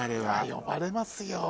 呼ばれますよ。